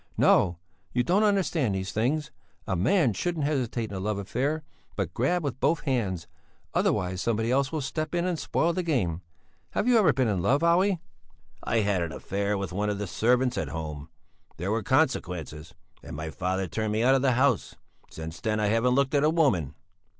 No, you don't understand these things; a man shouldn't hesitate in a love affair, but grab with both hands; otherwise somebody else will step in and spoil the game. Have you ever been in love, Olle?" "I had an affair with one of our servants at home; there were consequences, and my father turned me out of the house. Since then I haven't looked at a woman."